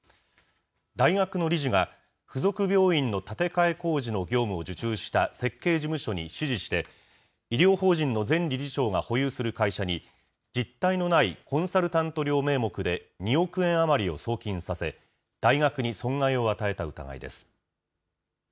大学の理事が、付属病院の建て替え工事の業務を受注した設計事務所に指示して、医療法人の前理事長が保有する会社に、実体のないコンサルタント料名目で２億円余りを送金させ、大学に損害を与えた疑いです。